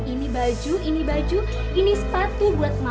ini baju ini baju ini sepatu buat makan